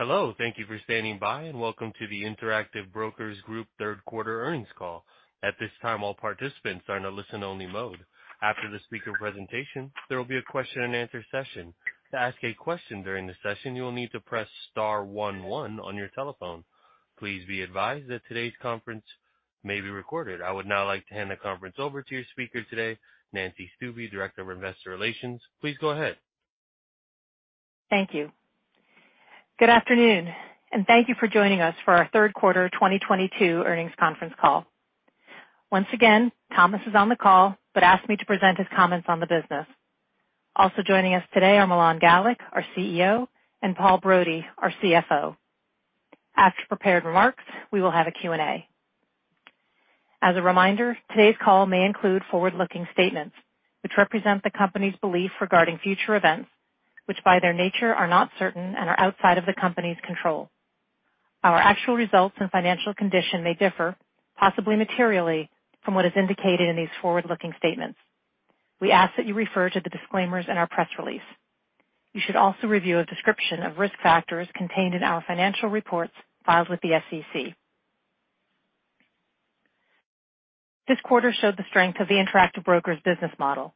Hello. Thank you for standing by, and welcome to the Interactive Brokers Group third quarter earnings call. At this time, all participants are in a listen only mode. After the speaker presentation, there will be a question and answer session. To ask a question during the session, you will need to press star one one on your telephone. Please be advised that today's conference may be recorded. I would now like to hand the conference over to your speaker today, Nancy Stuebe, Director of Investor Relations. Please go ahead. Thank you. Good afternoon, and thank you for joining us for our third quarter 2022 earnings conference call. Once again, Thomas is on the call, but asked me to present his comments on the business. Also joining us today are Milan Galik, our CEO, and Paul Brody, our CFO. After prepared remarks, we will have a Q&A. As a reminder, today's call may include forward-looking statements, which represent the company's belief regarding future events, which, by their nature, are not certain and are outside of the company's control. Our actual results and financial condition may differ, possibly materially, from what is indicated in these forward-looking statements. We ask that you refer to the disclaimers in our press release. You should also review a description of risk factors contained in our financial reports filed with the SEC. This quarter showed the strength of the Interactive Brokers business model,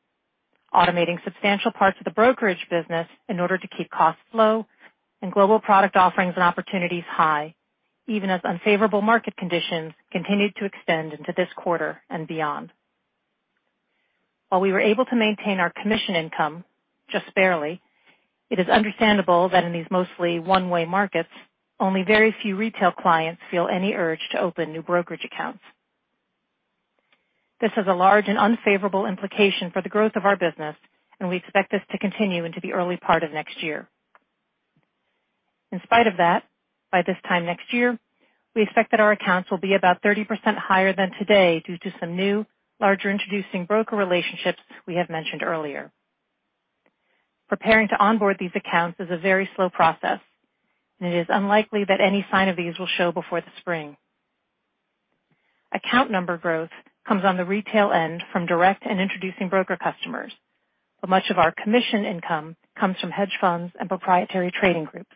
automating substantial parts of the brokerage business in order to keep costs low and global product offerings and opportunities high, even as unfavorable market conditions continued to extend into this quarter and beyond. While we were able to maintain our commission income, just barely, it is understandable that in these mostly one-way markets, only very few retail clients feel any urge to open new brokerage accounts. This has a large and unfavorable implication for the growth of our business, and we expect this to continue into the early part of next year. In spite of that, by this time next year, we expect that our accounts will be about 30% higher than today due to some new, larger introducing broker relationships we have mentioned earlier. Preparing to onboard these accounts is a very slow process, and it is unlikely that any sign of these will show before the spring. Account number growth comes on the retail end from direct and introducing broker customers, but much of our commission income comes from hedge funds and proprietary trading groups.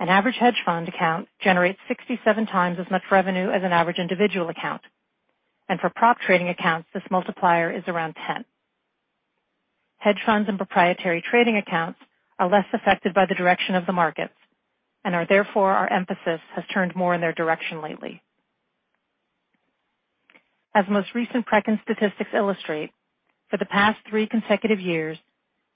An average hedge fund account generates 67 times as much revenue as an average individual account, and for prop trading accounts, this multiplier is around 10. Hedge funds and proprietary trading accounts are less affected by the direction of the markets, and are therefore our emphasis has turned more in their direction lately. As most recent Preqin statistics illustrate, for the past three consecutive years,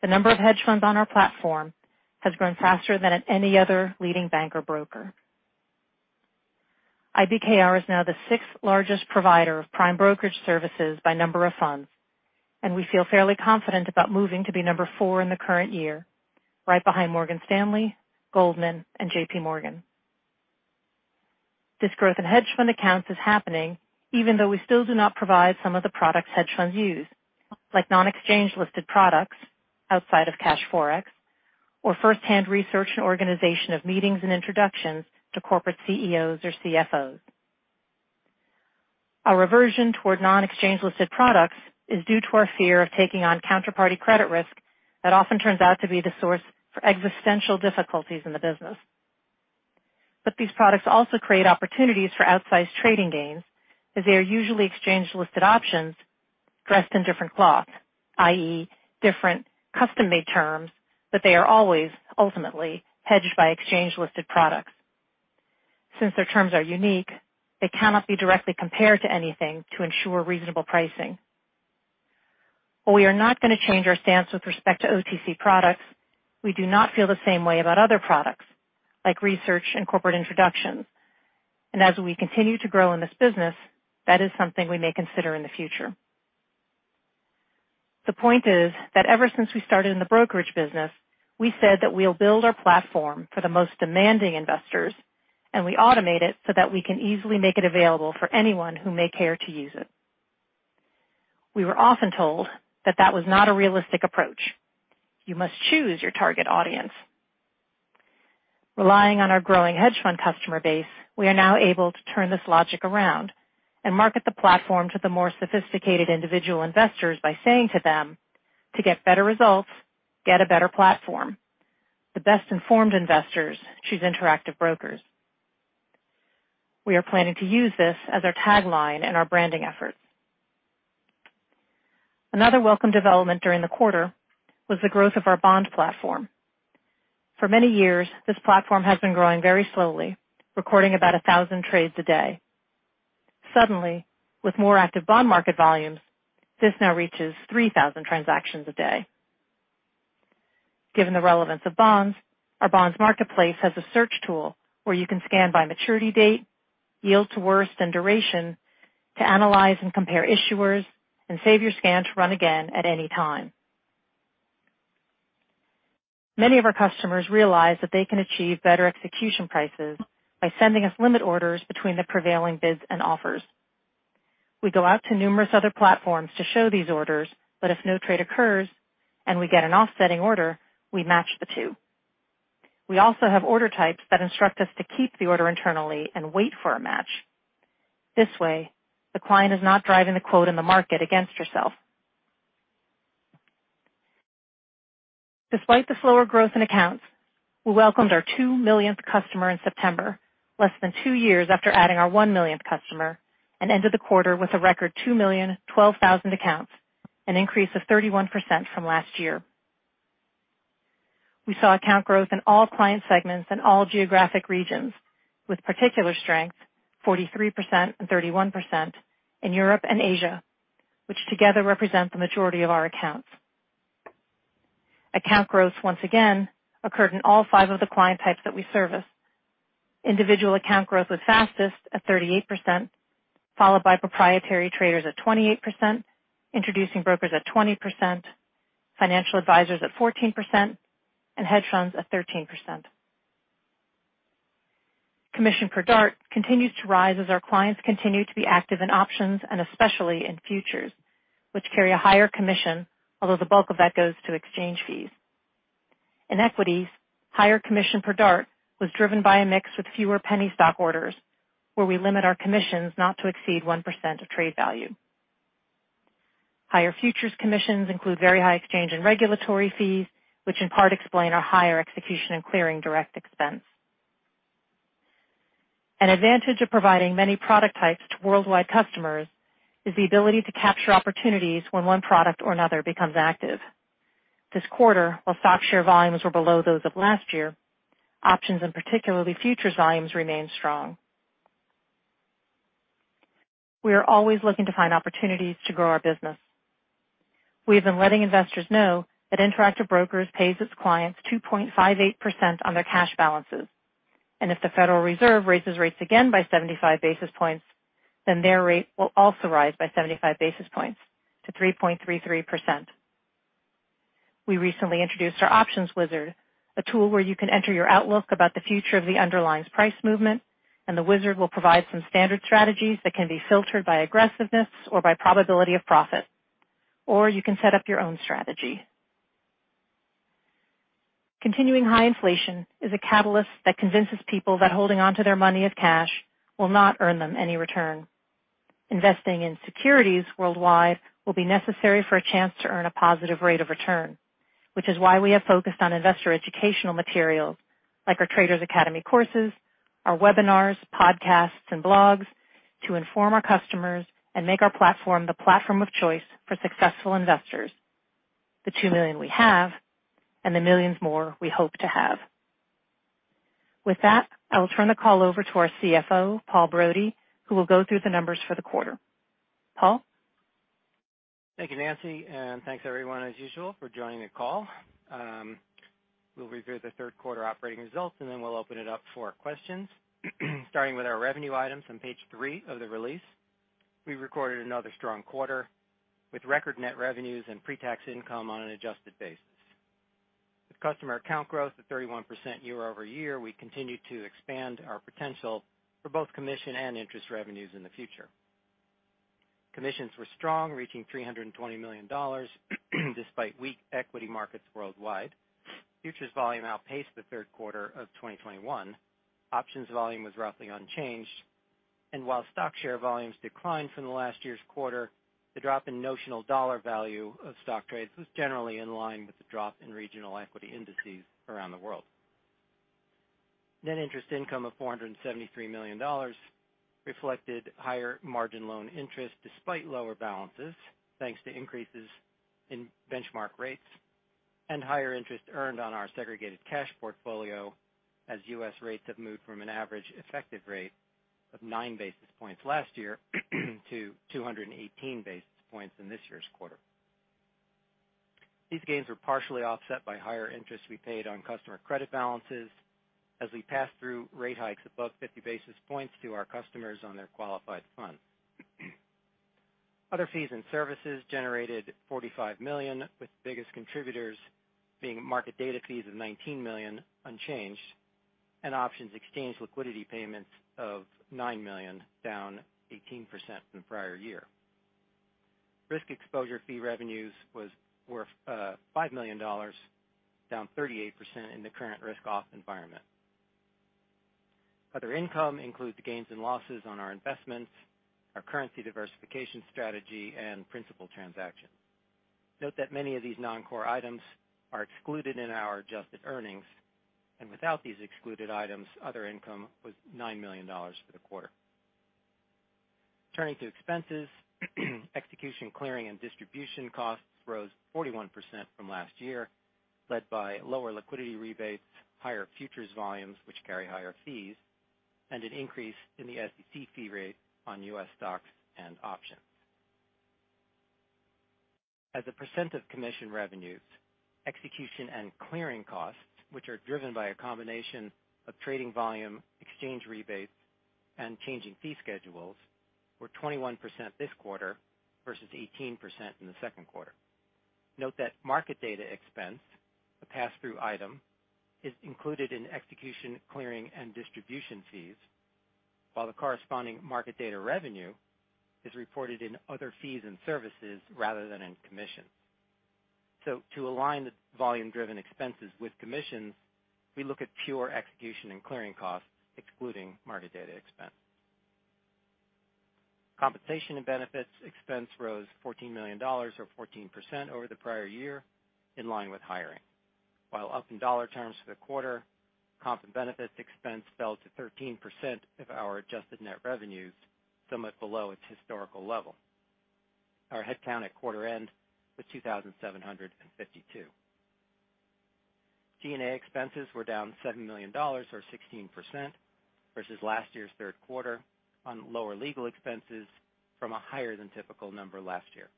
the number of hedge funds on our platform has grown faster than at any other leading bank or broker. IBKR is now the sixth largest provider of prime brokerage services by number of funds, and we feel fairly confident about moving to be number four in the current year, right behind Morgan Stanley, Goldman, and JPMorgan. This growth in hedge fund accounts is happening even though we still do not provide some of the products hedge funds use, like non-exchange-listed products outside of cash forex, or firsthand research and organization of meetings and introductions to corporate CEOs or CFOs. Our aversion toward non-exchange-listed products is due to our fear of taking on counterparty credit risk that often turns out to be the source for existential difficulties in the business. These products also create opportunities for outsized trading gains, as they are usually exchange-listed options dressed in different cloth, i.e., different custom-made terms, but they are always ultimately hedged by exchange-listed products. Since their terms are unique, they cannot be directly compared to anything to ensure reasonable pricing. While we are not gonna change our stance with respect to OTC products, we do not feel the same way about other products like research and corporate introductions. As we continue to grow in this business, that is something we may consider in the future. The point is that ever since we started in the brokerage business, we said that we'll build our platform for the most demanding investors, and we automate it so that we can easily make it available for anyone who may care to use it. We were often told that that was not a realistic approach. You must choose your target audience. Relying on our growing hedge fund customer base, we are now able to turn this logic around and market the platform to the more sophisticated individual investors by saying to them, "To get better results, get a better platform. The best-informed investors choose Interactive Brokers." We are planning to use this as our tagline in our branding efforts. Another welcome development during the quarter was the growth of our bond platform. For many years, this platform has been growing very slowly, recording about 1,000 trades a day. Suddenly, with more active bond market volumes, this now reaches 3,000 transactions a day. Given the relevance of bonds, our bonds marketplace has a search tool where you can scan by maturity date, yield to worst and duration to analyze and compare issuers and save your scan to run again at any time. Many of our customers realize that they can achieve better execution prices by sending us limit orders between the prevailing bids and offers. We go out to numerous other platforms to show these orders that if no trade occurs and we get an offsetting order, we match the two. We also have order types that instruct us to keep the order internally and wait for a match. This way, the client is not driving the quote in the market against herself. Despite the slower growth in accounts, we welcomed our two millionth customer in September, less than two years after adding our one millionth customer, and ended the quarter with a record 2,012,000 accounts, an increase of 31% from last year. We saw account growth in all client segments and all geographic regions, with particular strength, 43% and 31% in Europe and Asia, which together represent the majority of our accounts. Account growth once again occurred in all five of the client types that we service. Individual account growth was fastest at 38%, followed by proprietary traders at 28%, introducing brokers at 20%, financial advisors at 14%, and hedge funds at 13%. Commission per DART continues to rise as our clients continue to be active in options and especially in futures, which carry a higher commission, although the bulk of that goes to exchange fees. In equities, higher commission per DART was driven by a mix of fewer penny stock orders, where we limit our commissions not to exceed 1% of trade value. Higher futures commissions include very high exchange and regulatory fees, which in part explain our higher execution and clearing direct expense. An advantage of providing many product types to worldwide customers is the ability to capture opportunities when one product or another becomes active. This quarter, while stock share volumes were below those of last year, options and particularly futures volumes remained strong. We are always looking to find opportunities to grow our business. We have been letting investors know that Interactive Brokers pays its clients 2.58% on their cash balances, and if the Federal Reserve raises rates again by 75 basis points, then their rate will also rise by 75 basis points to 3.33%. We recently introduced our Options Wizard, a tool where you can enter your outlook about the future of the underlying price movement, and the wizard will provide some standard strategies that can be filtered by aggressiveness or by probability of profit. You can set up your own strategy. Continuing high inflation is a catalyst that convinces people that holding on to their money as cash will not earn them any return. Investing in securities worldwide will be necessary for a chance to earn a positive rate of return, which is why we have focused on investor educational materials like our Traders' Academy courses, our webinars, podcasts, and blogs to inform our customers and make our platform the platform of choice for successful investors, the two million we have and the millions more we hope to have. With that, I will turn the call over to our CFO, Paul Brody, who will go through the numbers for the quarter. Paul? Thank you, Nancy, and thanks everyone as usual for joining the call. We'll review the third quarter operating results, and then we'll open it up for questions. Starting with our revenue items on page three of the release, we recorded another strong quarter with record net revenues and pre-tax income on an adjusted basis. With customer account growth of 31% year-over-year, we continue to expand our potential for both commission and interest revenues in the future. Commissions were strong, reaching $320 million despite weak equity markets worldwide. Futures volume outpaced the third quarter of 2021. Options volume was roughly unchanged, and while stock share volumes declined from the last year's quarter, the drop in notional dollar value of stock trades was generally in line with the drop in regional equity indices around the world. Net interest income of $473 million reflected higher margin loan interest despite lower balances, thanks to increases in benchmark rates and higher interest earned on our segregated cash portfolio as U.S. rates have moved from an average effective rate of 9 basis points last year to 218 basis points in this year's quarter. These gains were partially offset by higher interest we paid on customer credit balances as we passed through rate hikes above 50 basis points to our customers on their qualified funds. Other fees and services generated $45 million, with the biggest contributors being market data fees of $19 million unchanged and options exchange liquidity payments of $9 million, down 18% from the prior year. Risk exposure fee revenues were $5 million, down 38% in the current risk-off environment. Other income includes gains and losses on our investments, our currency diversification strategy, and principal transactions. Note that many of these non-core items are excluded in our adjusted earnings, and without these excluded items, other income was $9 million for the quarter. Turning to expenses, execution, clearing, and distribution costs rose 41% from last year, led by lower liquidity rebates, higher futures volumes, which carry higher fees, and an increase in the SEC fee rate on U.S. stocks and options. As a percent of commission revenues, execution and clearing costs, which are driven by a combination of trading volume, exchange rebates, and changing fee schedules, were 21% this quarter versus 18% in the second quarter. Note that market data expense, a pass-through item, is included in execution, clearing, and distribution fees, while the corresponding market data revenue is reported in other fees and services rather than in commission. To align the volume-driven expenses with commissions, we look at pure execution and clearing costs, excluding market data expense. Compensation and benefits expense rose $14 million or 14% over the prior year, in line with hiring. While up in dollar terms for the quarter, comp and benefits expense fell to 13% of our adjusted net revenues, somewhat below its historical level. Our headcount at quarter end was 2,752. G&A expenses were down $7 million or 16% versus last year's third quarter on lower legal expenses from a higher than typical number last year.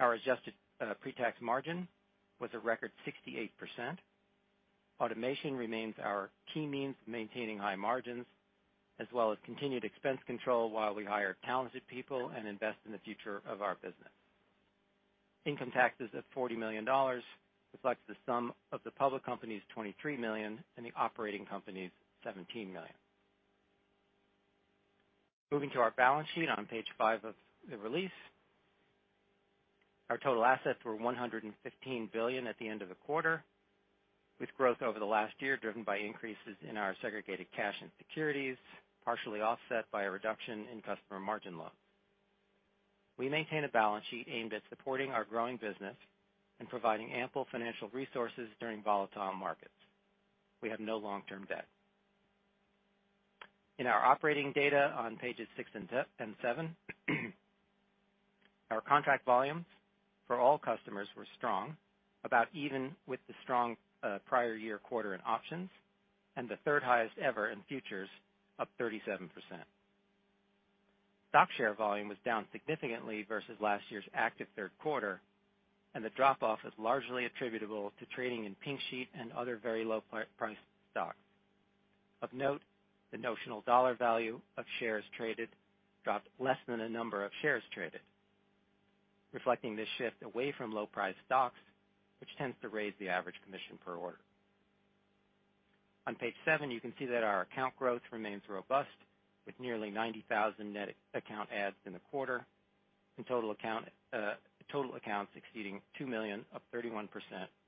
Our adjusted pretax margin was a record 68%. Automation remains our key means of maintaining high margins as well as continued expense control while we hire talented people and invest in the future of our business. Income taxes of $40 million reflects the sum of the public company's $23 million and the operating company's $17 million. Moving to our balance sheet on page five of the release. Our total assets were $115 billion at the end of the quarter, with growth over the last year driven by increases in our segregated cash and securities, partially offset by a reduction in customer margin loans. We maintain a balance sheet aimed at supporting our growing business and providing ample financial resources during volatile markets. We have no long-term debt. In our operating data on pages six and seven, our contract volumes for all customers were strong, about even with the strong prior year quarter in options and the third highest ever in futures, up 37%. Stock share volume was down significantly versus last year's active third quarter, and the drop-off is largely attributable to trading in pink sheet and other very low priced stocks. Of note, the notional dollar value of shares traded dropped less than the number of shares traded, reflecting this shift away from low-priced stocks, which tends to raise the average commission per order. On page seven, you can see that our account growth remains robust, with nearly 90,000 net account adds in the quarter, and total accounts exceeding two million, up 31%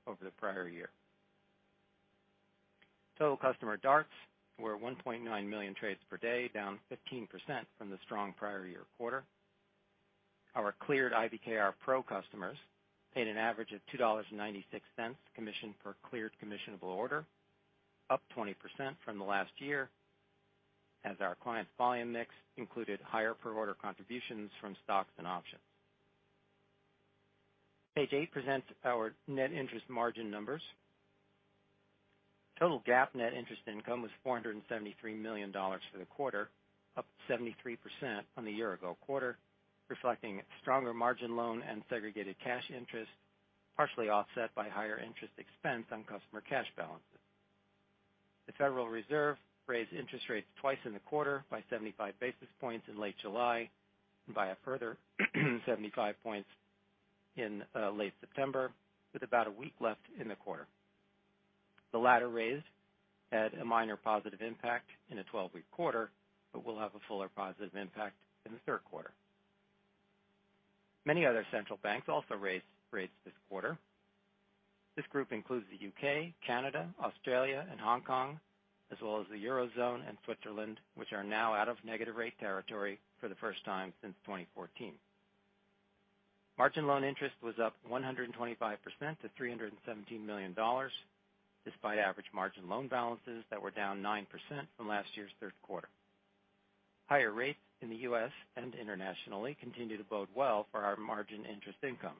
over the prior year. Total customer DARTs were 1.9 million trades per day, down 15% from the strong prior year quarter. Our cleared IBKR Pro customers paid an average of $2.96 commission per cleared commissionable order, up 20% from the last year, as our clients' volume mix included higher per order contributions from stocks and options. Page eight presents our net interest margin numbers. Total GAAP net interest income was $473 million for the quarter, up 73% from the year-ago quarter, reflecting stronger margin loan and segregated cash interest, partially offset by higher interest expense on customer cash balances. The Federal Reserve raised interest rates twice in the quarter by 75 basis points in late July and by a further 75 points in late September, with about a week left in the quarter. The latter raise had a minor positive impact in a 12-week quarter but will have a fuller positive impact in the third quarter. Many other central banks also raised rates this quarter. This group includes the U.K., Canada, Australia, and Hong Kong, as well as the Eurozone and Switzerland, which are now out of negative rate territory for the first time since 2014. Margin loan interest was up 125% to $317 million, despite average margin loan balances that were down 9% from last year's third quarter. Higher rates in the U.S. and internationally continue to bode well for our margin interest income.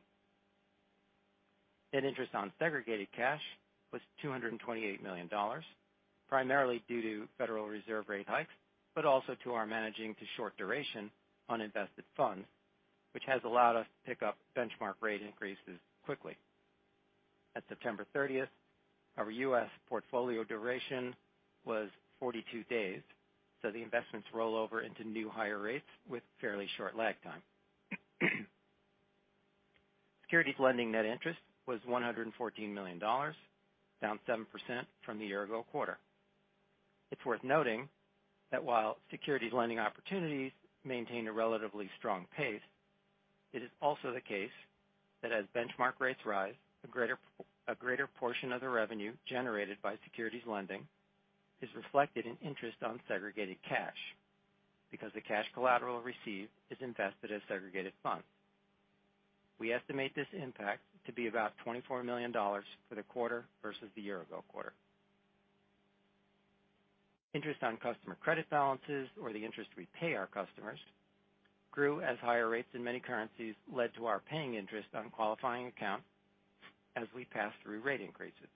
Net interest on segregated cash was $228 million, primarily due to Federal Reserve rate hikes, but also to our managing to short duration uninvested funds, which has allowed us to pick up benchmark rate increases quickly. At September 30th, our U.S. portfolio duration was 42 days, so the investments roll over into new higher rates with fairly short lag time. Securities lending net interest was $114 million, down 7% from the year-ago quarter. It's worth noting that while securities lending opportunities maintain a relatively strong pace, it is also the case that as benchmark rates rise, a greater portion of the revenue generated by securities lending is reflected in interest on segregated cash because the cash collateral received is invested as segregated funds. We estimate this impact to be about $24 million for the quarter versus the year-ago quarter. Interest on customer credit balances or the interest we pay our customers grew as higher rates in many currencies led to our paying interest on qualifying accounts as we passed through rate increases.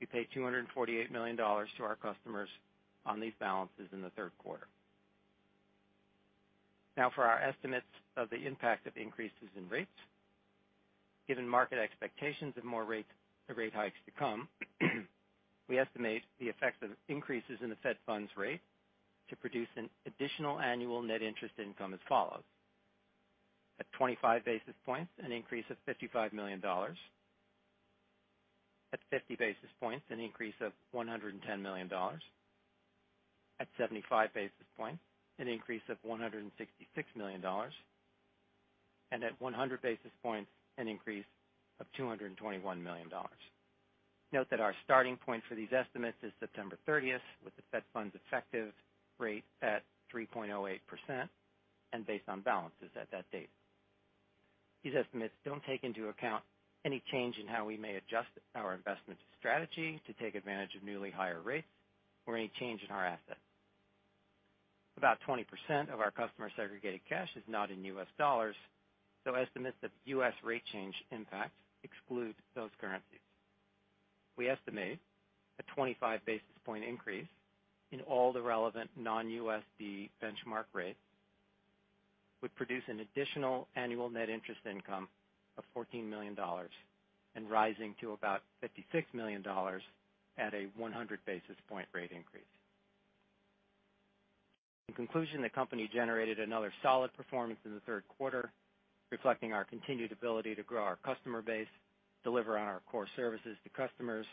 We paid $248 million to our customers on these balances in the third quarter. Now for our estimates of the impact of increases in rates. Given market expectations of more rate hikes to come, we estimate the effect of increases in the Fed funds rate to produce an additional annual net interest income as follows. At 25 basis points, an increase of $55 million. At 50 basis points, an increase of $110 million. At 75 basis points, an increase of $166 million. At 100 basis points, an increase of $221 million. Note that our starting point for these estimates is September 30th, with the Fed funds effective rate at 3.08% and based on balances at that date. These estimates don't take into account any change in how we may adjust our investment strategy to take advantage of newly higher rates or any change in our assets. About 20% of our customer segregated cash is not in U.S. dollars, so estimates of U.S. rate change impact exclude those currencies. We estimate a 25 basis point increase in all the relevant non-USD benchmark rates would produce an additional annual net interest income of $14 million and rising to about $56 million at a 100 basis point rate increase. In conclusion, the company generated another solid performance in the third quarter, reflecting our continued ability to grow our customer base, deliver on our core services to customers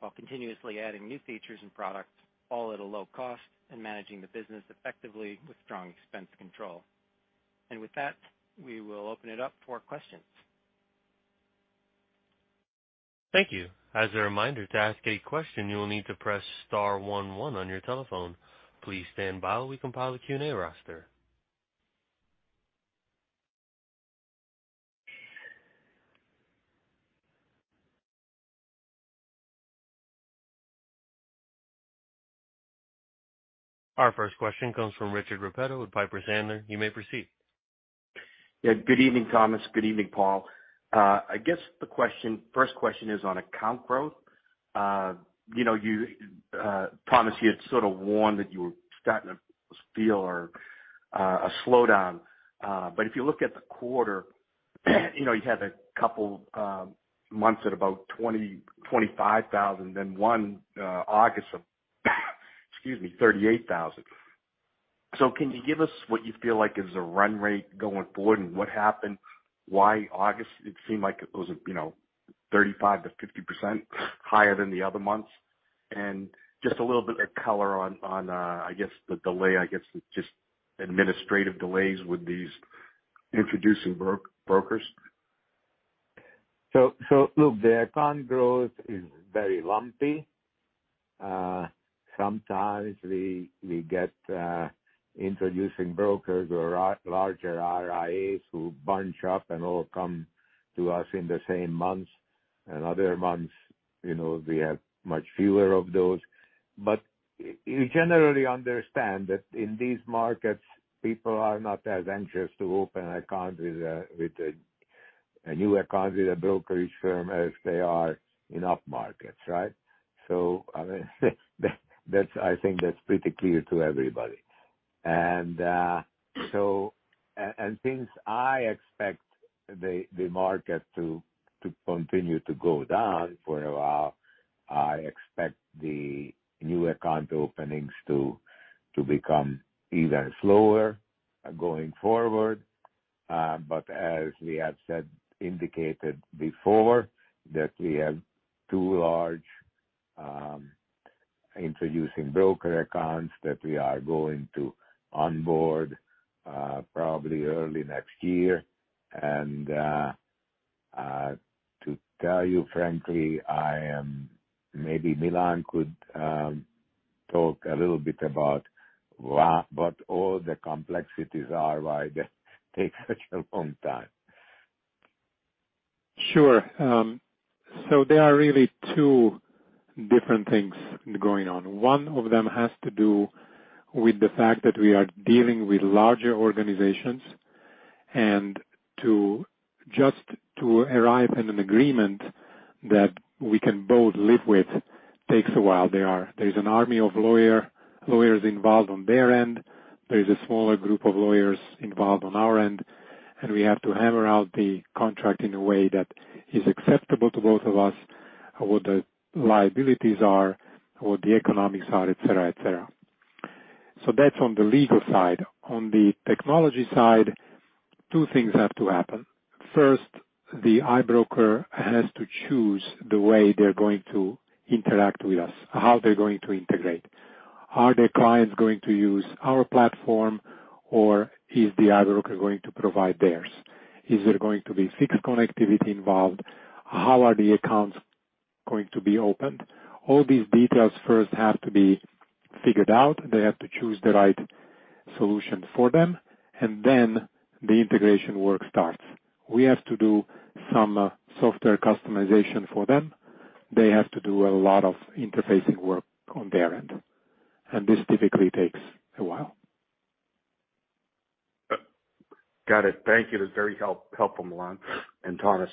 while continuously adding new features and products, all at a low cost and managing the business effectively with strong expense control. With that, we will open it up for questions. Thank you. As a reminder, to ask a question, you will need to press star one one on your telephone. Please stand by while we compile the Q&A roster. Our first question comes from Richard Repetto with Piper Sandler. You may proceed. Yeah, good evening, Thomas. Good evening, Paul. I guess the first question is on account growth. You know, Thomas, you had sort of warned that you were starting to feel a slowdown. If you look at the quarter, you know, you had a couple months at about 20,000-25,000 and then August of 38,000. Can you give us what you feel like is a run rate going forward and what happened? Why August? It seemed like it was, you know, 35%-50% higher than the other months. Just a little bit of color on the delay, just administrative delays with these introducing brokers. Look, the account growth is very lumpy. Sometimes we get introducing brokers or larger RIAs who bunch up and all come to us in the same months. In other months, you know, we have much fewer of those. You generally understand that in these markets, people are not as anxious to open a new account with a brokerage firm as they are in up markets, right? I mean, that's, I think that's pretty clear to everybody. Since I expect the market to continue to go down for a while, I expect the new account openings to become even slower going forward. As we have said indicated before that we have two large introducing broker accounts that we are going to onboard probably early next year. To tell you frankly, I am. Maybe Milan could talk a little bit about what all the complexities are, why that takes such a long time. Sure. There are really two different things going on. One of them has to do with the fact that we are dealing with larger organizations, and just to arrive at an agreement that we can both live with takes a while. There's an army of lawyers involved on their end. There's a smaller group of lawyers involved on our end. We have to hammer out the contract in a way that is acceptable to both of us, what the liabilities are, what the economics are, et cetera, et cetera. That's on the legal side. On the technology side, two things have to happen. First, the i-broker has to choose the way they're going to interact with us, how they're going to integrate. Are their clients going to use our platform, or is the i-broker going to provide theirs? Is there going to be fixed connectivity involved? How are the accounts going to be opened? All these details first have to be figured out. They have to choose the right solution for them. The integration work starts. We have to do some software customization for them. They have to do a lot of interfacing work on their end. This typically takes a while. Got it. Thank you. That's very helpful, Milan and Thomas.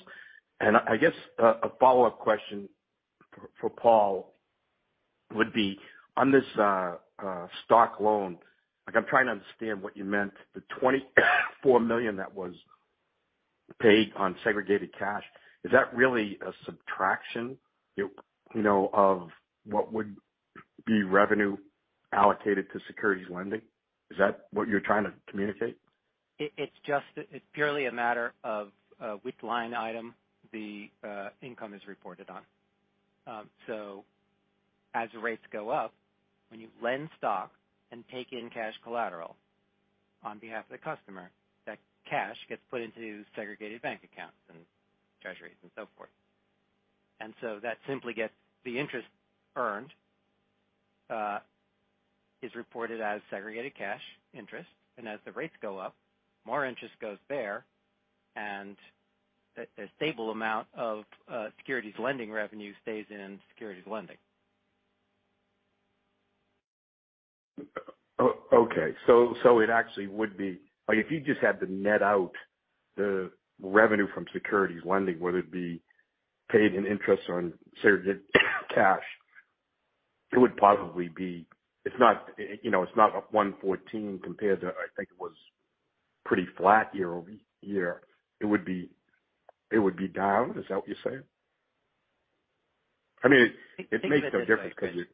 I guess a follow-up question for Paul would be on this stock loan. Like I'm trying to understand what you meant, the $24 million that was paid on segregated cash. Is that really a subtraction, you know, of what would- The revenue allocated to securities lending. Is that what you're trying to communicate? It's purely a matter of which line item the income is reported on. As rates go up, when you lend stock and take in cash collateral on behalf of the customer, that cash gets put into segregated bank accounts and treasuries and so forth. That simply gets the interest earned, is reported as segregated cash interest. As the rates go up, more interest goes there, and the stable amount of securities lending revenue stays in securities lending. Okay. It actually would be like, if you just had to net out the revenue from securities lending, whether it be paid in interest on segregated cash, it would possibly be. It's not, you know, it's not up $114 compared to, I think it was pretty flat year-over-year. It would be down. Is that what you're saying? I mean, it makes no difference because it.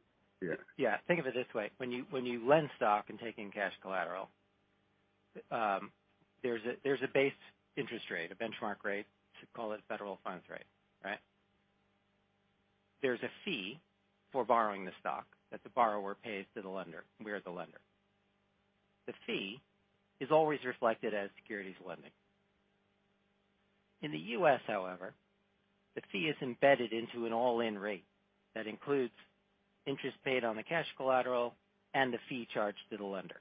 Yeah. Think of it this way. When you lend stock and take in cash collateral, there's a base interest rate, a benchmark rate. Should call it federal funds rate, right? There's a fee for borrowing the stock that the borrower pays to the lender. We're the lender. The fee is always reflected as securities lending. In the U.S., however, the fee is embedded into an all-in rate that includes interest paid on the cash collateral and the fee charged to the lender.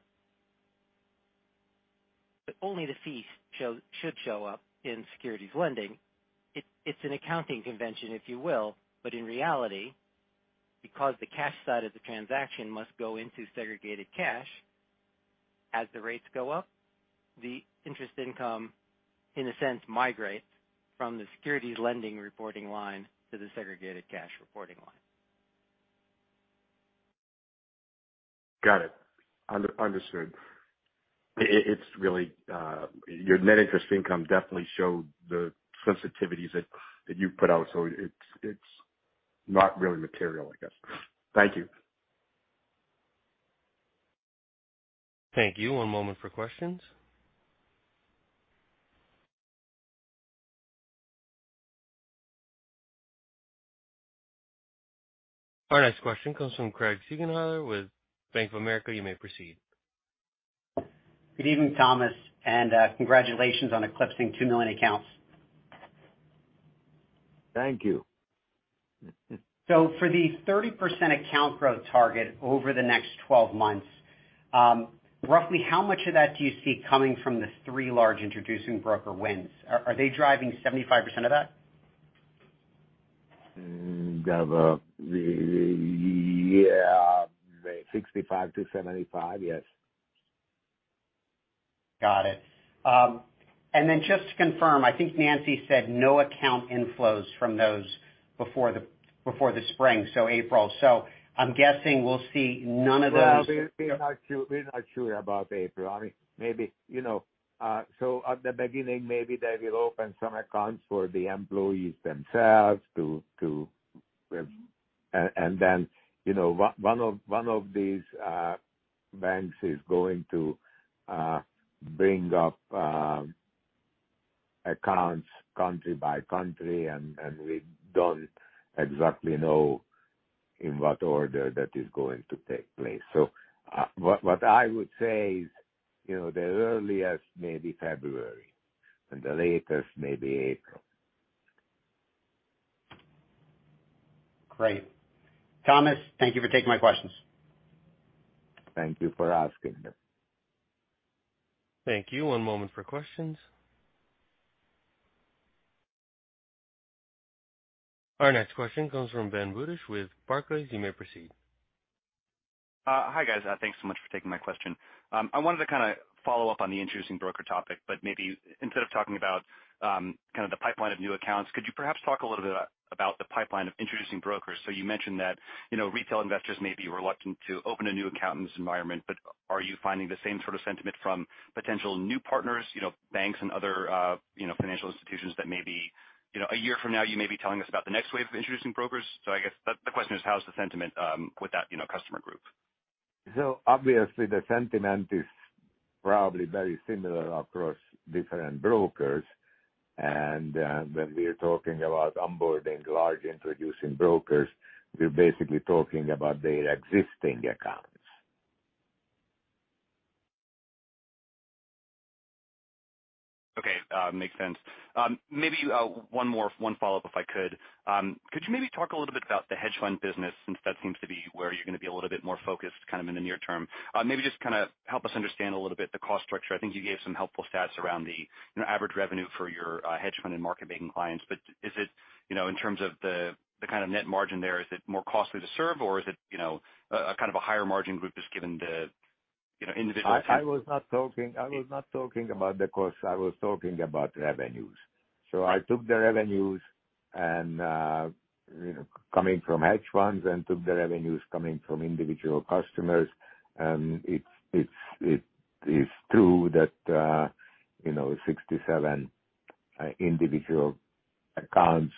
Only the fees should show up in securities lending. It's an accounting convention, if you will, but in reality, because the cash side of the transaction must go into segregated cash, as the rates go up, the interest income, in a sense, migrates from the securities lending reporting line to the segregated cash reporting line. Got it. Understood. It's really your net interest income definitely showed the sensitivities that you put out. So it's not really material, I guess. Thank you. Thank you. One moment for questions. Our next question comes from Craig Siegenthaler with Bank of America. You may proceed. Good evening, Thomas, and congratulations on eclipsing two million accounts. Thank you. For the 30% account growth target over the next 12 months, roughly how much of that do you see coming from the three large introducing broker wins? Are they driving 75% of that? They have 65%-75%. Yes. Got it. Just to confirm, I think Nancy said no account inflows from those before the spring, so April. I'm guessing we'll see none of those. Well, we're not sure about April. I mean, maybe, you know, at the beginning, maybe they will open some accounts for the employees themselves to. Then, you know, one of these banks is going to bring up accounts country by country, and we don't exactly know in what order that is going to take place. What I would say is, you know, the earliest may be February and the latest may be April. Great. Thomas, thank you for taking my questions. Thank you for asking them. Thank you. One moment for questions. Our next question comes from Ben Budish with Barclays. You may proceed. Hi, guys. Thanks so much for taking my question. I wanted to kinda follow up on the introducing broker topic, but maybe instead of talking about kind of the pipeline of new accounts, could you perhaps talk a little bit about the pipeline of introducing brokers? You mentioned that, you know, retail investors may be reluctant to open a new account in this environment, but are you finding the same sort of sentiment from potential new partners, you know, banks and other, you know, financial institutions that maybe, you know, a year from now you may be telling us about the next wave of introducing brokers? I guess the question is how's the sentiment with that, you know, customer group? Obviously the sentiment is probably very similar across different brokers. When we're talking about onboarding large introducing brokers, we're basically talking about their existing accounts. Okay. Makes sense. Maybe one follow-up if I could. Could you maybe talk a little bit about the hedge fund business, since that seems to be where you're gonna be a little bit more focused kind of in the near term? Maybe just kinda help us understand a little bit the cost structure. I think you gave some helpful stats around the, you know, average revenue for your hedge fund and market-making clients. But is it, you know, in terms of the kind of net margin there, is it more costly to serve or is it, you know, a kind of a higher margin group just given the, you know, individual- I was not talking about the cost. I was talking about revenues. I took the revenues and, you know, coming from hedge funds and took the revenues coming from individual customers, and it is true that, you know, 67 individual customers accounts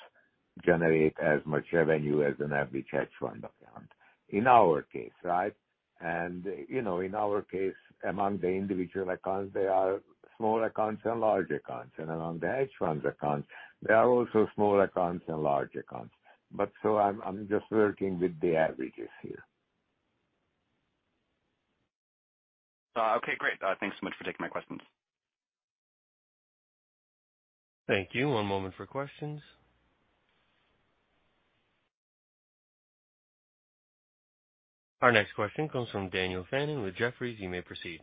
generate as much revenue as an average hedge fund account in our case, right? You know, in our case, among the individual accounts, there are small accounts and large accounts, and among the hedge funds accounts, there are also small accounts and large accounts. I'm just working with the averages here. Okay, great. Thanks so much for taking my questions. Thank you. One moment for questions. Our next question comes from Daniel Fannon with Jefferies. You may proceed.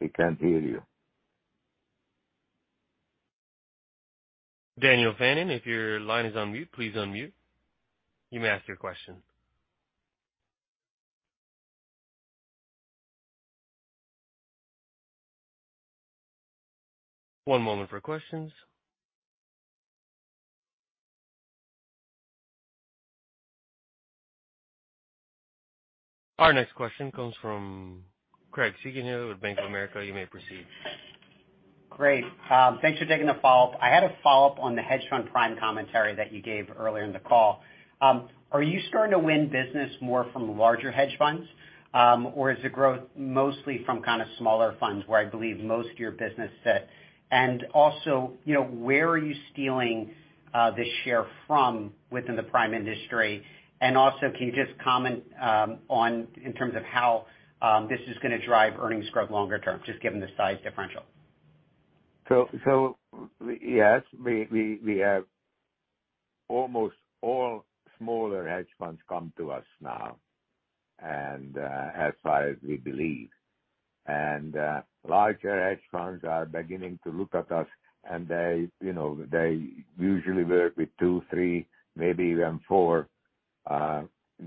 We can't hear you. Daniel Fannon, if your line is on mute, please unmute. You may ask your question. One moment for questions. Our next question comes from Craig Siegenthaler with Bank of America. You may proceed. Great. Thanks for taking the follow-up. I had a follow-up on the hedge fund prime commentary that you gave earlier in the call. Are you starting to win business more from larger hedge funds, or is the growth mostly from kinda smaller funds where I believe most of your business sit? And also, you know, where are you stealing this share from within the prime industry? And also, can you just comment on in terms of how this is gonna drive earnings growth longer term, just given the size differential? Yes. We have almost all smaller hedge funds come to us now and, as far as we believe. Larger hedge funds are beginning to look at us and they, you know, usually work with two, three, maybe even four,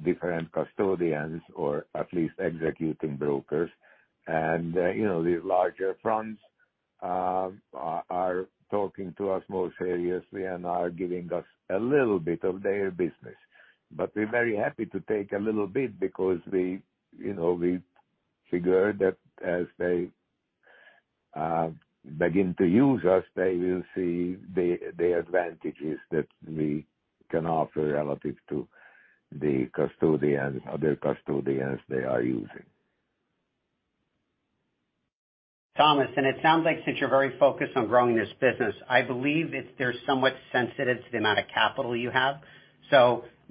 different custodians, or at least executing brokers. You know, the larger firms are talking to us more seriously and are giving us a little bit of their business. But we're very happy to take a little bit because we, you know, figure that as they begin to use us, they will see the advantages that we can offer relative to the other custodians they are using. Thomas, and it sounds like since you're very focused on growing this business, I believe it's they're somewhat sensitive to the amount of capital you have.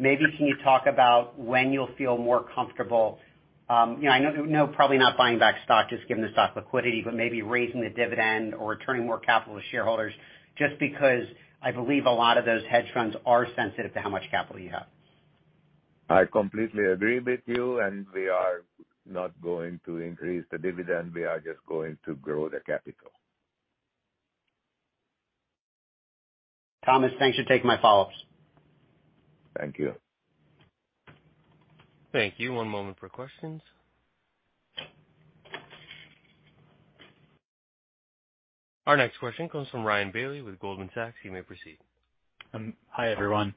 Maybe can you talk about when you'll feel more comfortable. You know, I know probably not buying back stock just given the stock liquidity, but maybe raising the dividend or returning more capital to shareholders, just because I believe a lot of those hedge funds are sensitive to how much capital you have. I completely agree with you, and we are not going to increase the dividend. We are just going to grow the capital. Thomas, thanks for taking my follow-ups. Thank you. Thank you. One moment for questions. Our next question comes from Ryan Bailey with Goldman Sachs. You may proceed. Hi, everyone.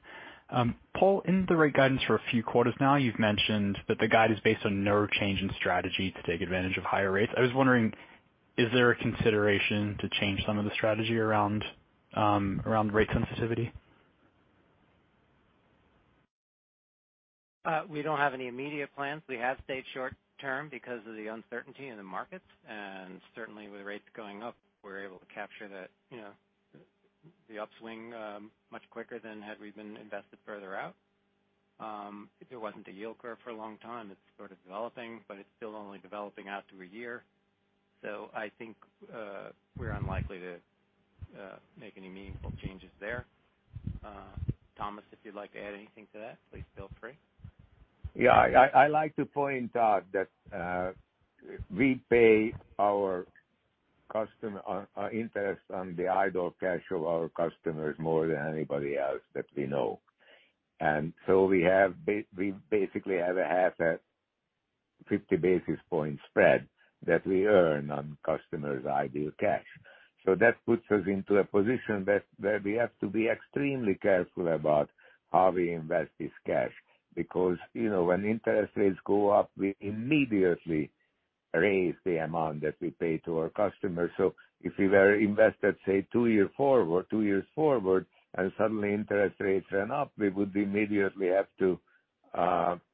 Paul, in the rate guidance for a few quarters now, you've mentioned that the guide is based on no change in strategy to take advantage of higher rates. I was wondering, is there a consideration to change some of the strategy around rate sensitivity? We don't have any immediate plans. We have stayed short term because of the uncertainty in the markets, and certainly with rates going up, we're able to capture that, you know, the upswing, much quicker than had we been invested further out. There wasn't a yield curve for a long time. It's sort of developing, but it's still only developing out to a year. I think, we're unlikely to, make any meaningful changes there. Thomas, if you'd like to add anything to that, please feel free. Yeah. I like to point out that we pay our customers interest on the idle cash of our customers more than anybody else that we know. We basically have a half a 50 basis point spread that we earn on customers' idle cash. That puts us into a position where we have to be extremely careful about how we invest this cash because, you know, when interest rates go up, we immediately raise the amount that we pay to our customers. If we were invested, say, two years forward, and suddenly interest rates went up, we would immediately have to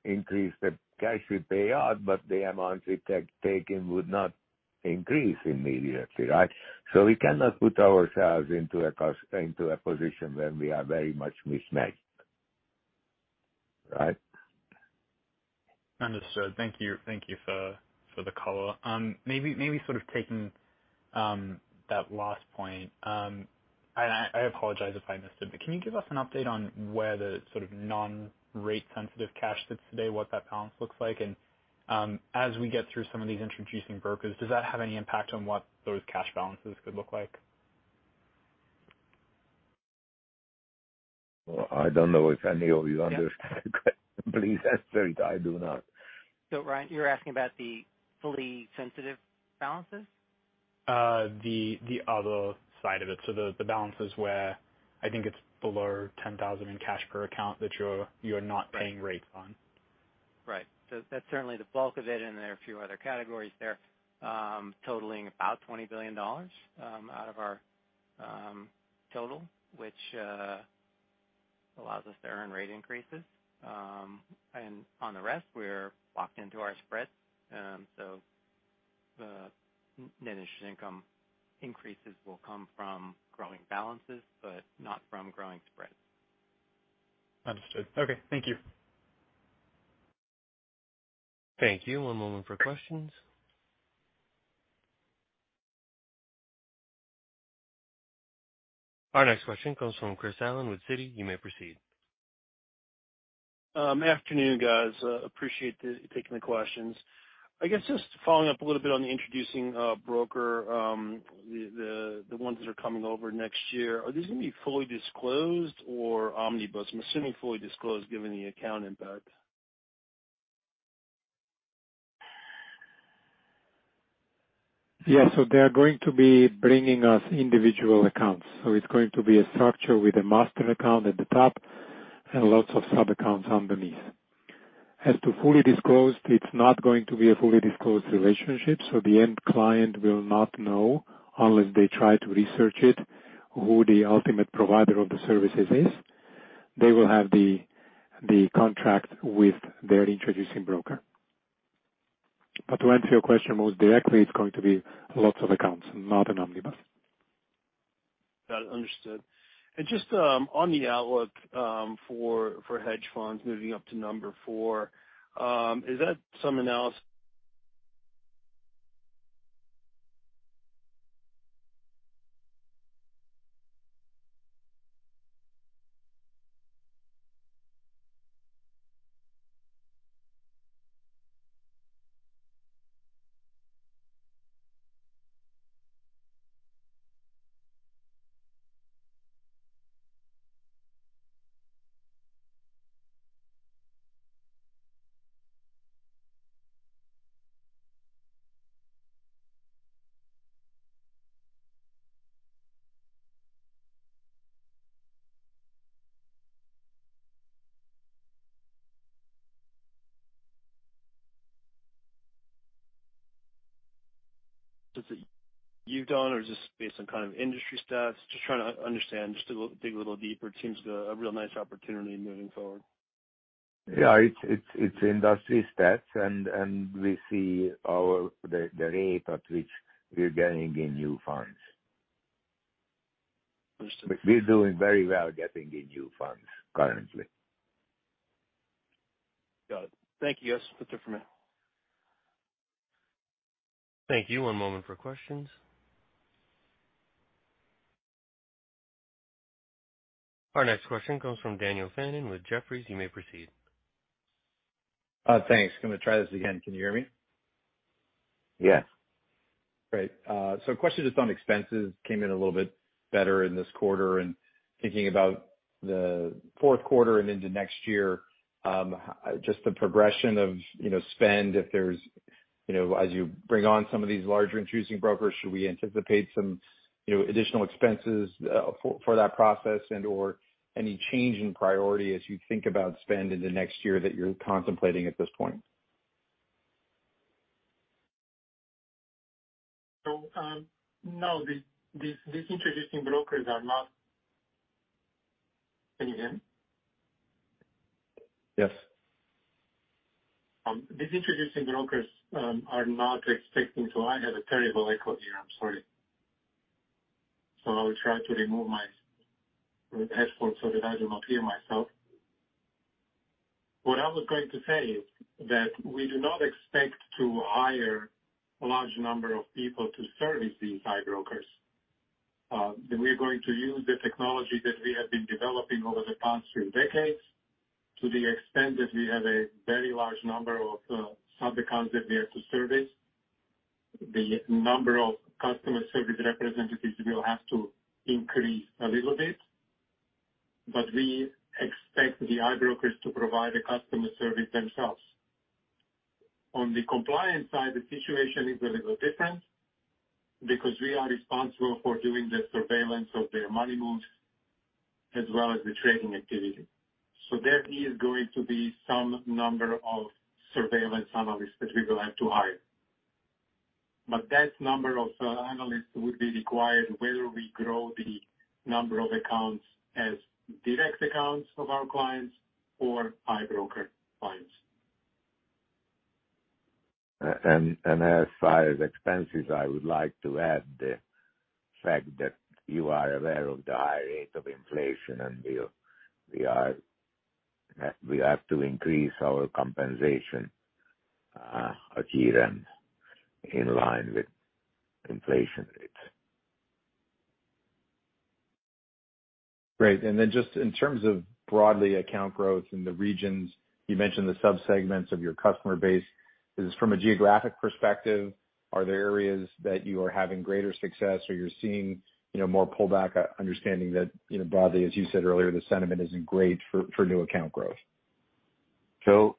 increase the cash we pay out, but the amount we take would not increase immediately, right? We cannot put ourselves into a position where we are very much mismatched. Right? Understood. Thank you for the color. Maybe sort of taking that last point, I apologize if I missed it, but can you give us an update on where the sort of non-rate sensitive cash sits today, what that balance looks like? As we get through some of these introducing brokers, does that have any impact on what those cash balances could look like? Well, I don't know if any of you understand, but please explain. I do not. Ryan, you're asking about the fully sensitive balances? The other side of it. The balances where I think it's below $10,000 in cash per account that you're not paying rate on. Right. That's certainly the bulk of it, and there are a few other categories there, totaling about $20 billion, out of our total, which allows us to earn rate increases. On the rest, we're locked into our spreads. The net interest income increases will come from growing balances, but not from growing spreads. Understood. Okay. Thank you. Thank you. One moment for questions. Our next question comes from Chris Allen with Citi. You may proceed. Afternoon guys, appreciate taking the questions. I guess just following up a little bit on the introducing broker, the ones that are coming over next year. Are these gonna be fully disclosed or omnibus? I'm assuming fully disclosed given the account impact. Yeah. They are going to be bringing us individual accounts. It's going to be a structure with a master account at the top and lots of sub-accounts underneath. As to fully disclosed, it's not going to be a fully disclosed relationship, so the end client will not know unless they try to research it, who the ultimate provider of the services is. They will have the contract with their introducing broker. To answer your question most directly, it's going to be lots of accounts, not an omnibus. Got it. Understood. Just on the outlook for hedge funds moving up to number four, is that something else? Is it you've done or is this based on kind of industry stats? Just trying to understand, just to dig a little deeper. It seems to be a real nice opportunity moving forward. Yeah, it's industry stats, and we see the rate at which we're gaining in new funds. Understood. We're doing very well getting the new funds currently. Got it. Thank you. That's it for me. Thank you. One moment for questions. Our next question comes from Daniel Fannon with Jefferies. You may proceed. Thanks. Gonna try this again. Can you hear me? Yes. Great. Question just on expenses. Came in a little bit better in this quarter, and thinking about the fourth quarter and into next year, just the progression of, you know, spend if there's, you know, as you bring on some of these larger introducing brokers, should we anticipate some, you know, additional expenses, for that process and/or any change in priority as you think about spend in the next year that you're contemplating at this point? No, these introducing brokers are not. Can you hear me? Yes. These introducing brokers are not expecting to. I have a terrible echo here. I'm sorry. I will try to remove my headphones so that I do not hear myself. What I was going to say is that we do not expect to hire a large number of people to service these i-brokers. We are going to use the technology that we have been developing over the past three decades. To the extent that we have a very large number of sub-accounts that we are to service, the number of customer service representatives will have to increase a little bit, but we expect the i-brokers to provide the customer service themselves. On the compliance side, the situation is a little different because we are responsible for doing the surveillance of their money moves as well as the trading activity. There is going to be some number of surveillance analysts that we will have to hire. That number of analysts would be required whether we grow the number of accounts as direct accounts of our clients or i-broker clients. As far as expenses, I would like to add the fact that you are aware of the high rate of inflation, and we have to increase our compensation to keep them in line with inflation rates. Great. Then just in terms of broadly account growth in the regions, you mentioned the sub-segments of your customer base. Is this from a geographic perspective, are there areas that you are having greater success or you're seeing, you know, more pullback, understanding that, you know, broadly, as you said earlier, the sentiment isn't great for new account growth?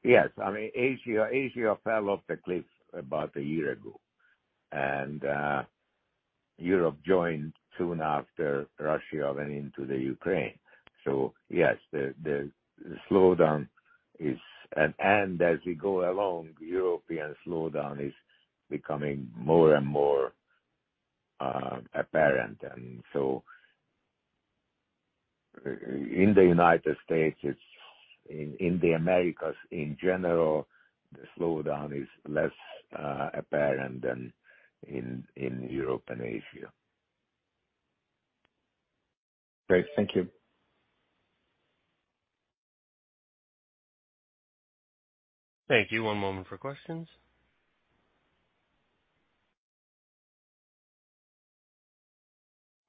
Yes, I mean, Asia fell off the cliff about a year ago, and Europe joined soon after Russia went into the Ukraine. Yes, the slowdown is. As we go along, European slowdown is becoming more and more apparent. In the United States, it's in the Americas in general, the slowdown is less apparent than in Europe and Asia. Great. Thank you. Thank you. One moment for questions.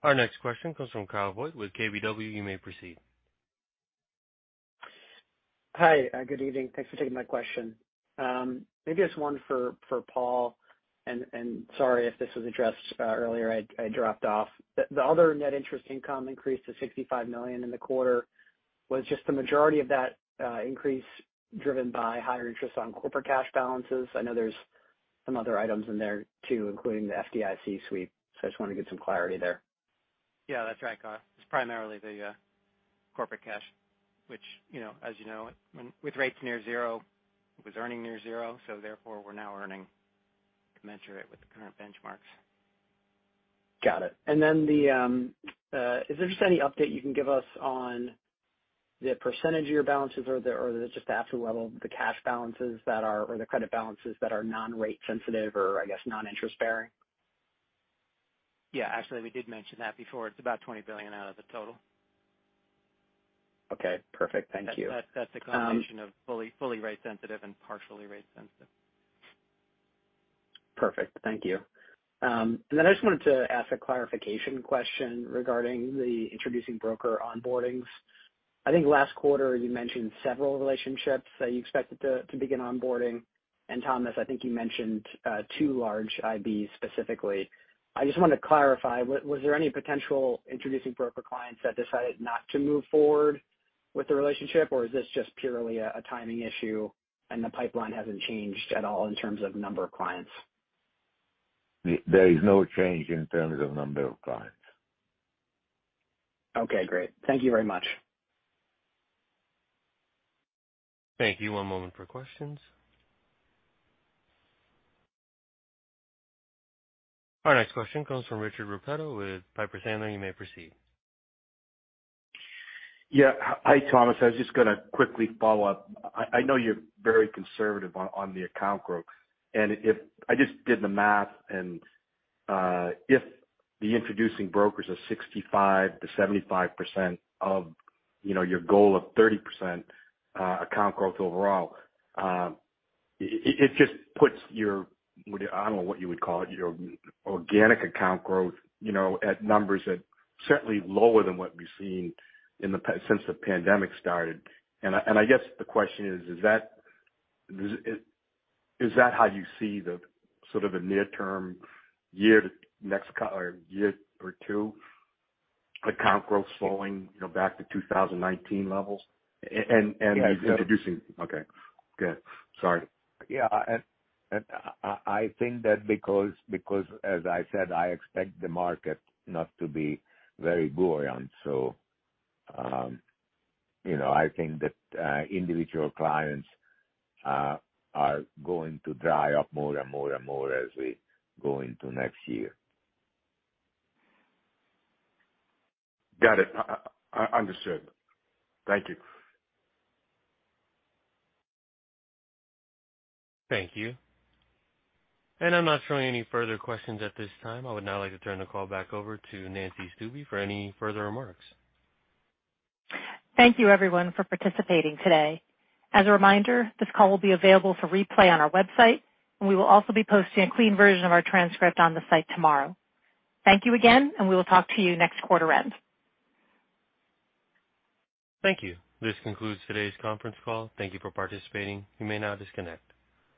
Our next question comes from Kyle Voigt with KBW. You may proceed. Hi. Good evening. Thanks for taking my question. Maybe it's one for Paul, and sorry if this was addressed earlier. I dropped off. The other net interest income increased to $65 million in the quarter. Was just the majority of that increase driven by higher interest on corporate cash balances? I know there's some other items in there too, including the FDIC sweeps. I just wanted to get some clarity there. Yeah, that's right, Kyle. It's primarily the corporate cash, which, you know, as you know, when with rates near zero, it was earning near zero, so therefore we're now earning commensurate with the current benchmarks. Got it. Is there just any update you can give us on the percentage of your balances or just the absolute level of the cash balances that are, or the credit balances that are non-rate sensitive or I guess non-interest bearing? Yeah. Actually, we did mention that before. It's about $20 billion out of the total. Okay. Perfect. Thank you. That, that's a combination of fully rate sensitive and partially rate sensitive. Perfect. Thank you. Then I just wanted to ask a clarification question regarding the introducing broker onboardings. I think last quarter you mentioned several relationships that you expected to begin onboarding. Thomas, I think you mentioned two large IBs specifically. I just wanted to clarify, was there any potential introducing broker clients that decided not to move forward with the relationship, or is this just purely a timing issue and the pipeline hasn't changed at all in terms of number of clients? There is no change in terms of number of clients. Okay, great. Thank you very much. Thank you. One moment for questions. Our next question comes from Richard Repetto with Piper Sandler. You may proceed. Yeah. Hi, Thomas. I was just gonna quickly follow up. I know you're very conservative on the account growth, and if I just did the math and if the introducing brokers are 65%-75% of, you know, your goal of 30%, account growth overall, it just puts your, I don't know what you would call it, your organic account growth, you know, at numbers that certainly lower than what we've seen since the pandemic started. I guess the question is that how you see the sort of the near term year to next couple or year or two account growth slowing, you know, back to 2019 levels? The introducing- Yeah. Okay. Good. Sorry. Yeah. I think that because as I said, I expect the market not to be very buoyant. You know, I think that individual clients are going to dry up more and more as we go into next year. Got it. Understood. Thank you. Thank you. I'm not showing any further questions at this time. I would now like to turn the call back over to Nancy Stuebe for any further remarks. Thank you everyone for participating today. As a reminder, this call will be available for replay on our website, and we will also be posting a clean version of our transcript on the site tomorrow. Thank you again, and we will talk to you next quarter end. Thank you. This concludes today's conference call. Thank you for participating. You may now disconnect.